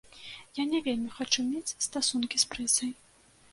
Я не вельмі хачу мець стасункі з прэсай.